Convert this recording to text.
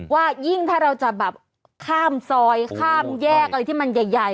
ว่ายิ่งถ้าเราจะแบบข้ามซอยข้ามแยกอะไรที่มันใหญ่